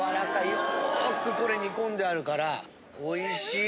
よくこれ煮込んであるからおいしい。